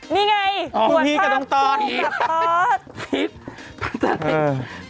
นี่ไงข่าวภาพพรุ่งกับทอส